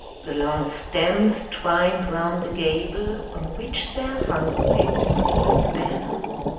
The long stems twined round the gable, on which there hung a small bell.